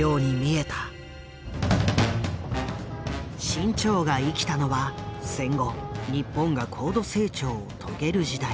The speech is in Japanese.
志ん朝が生きたのは戦後日本が高度成長を遂げる時代。